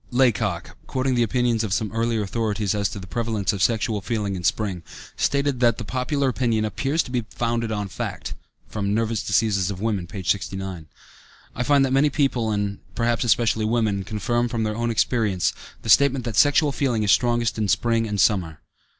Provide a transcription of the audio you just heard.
Laycock, quoting the opinions of some earlier authorities as to the prevalence of sexual feeling in spring, stated that that popular opinion "appears to be founded on fact" (Nervous Diseases of Women, p. 69). I find that many people, and perhaps especially women, confirm from their own experience, the statement that sexual feeling is strongest in spring and summer.